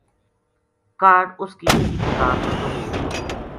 کاہڈ اس کی دھی کو تاپ ختم ہو گیو